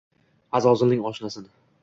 Azozilning oshnasin.